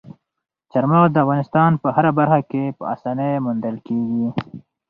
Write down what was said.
چار مغز د افغانستان په هره برخه کې په اسانۍ موندل کېږي.